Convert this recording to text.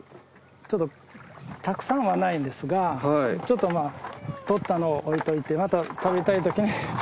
ちょっとたくさんはないんですがちょっととったのを置いといてまた食べたいときに。